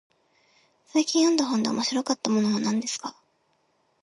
最近読んだ本で面白かったものは何ですか。